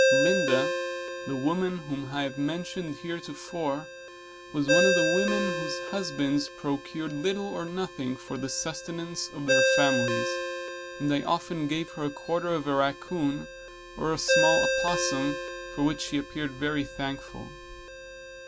Lydia, the woman whom I have mentioned heretofore, was one of the women whose husbands procured little or nothing for the sustenance of their families, and I often gave her a quarter of a rackoon or a small opossum, for which she appeared very thankful.